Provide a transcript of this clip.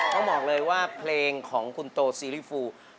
ต้องบอกเลยว่าเพลงของคุณโตซีรีส์ฟู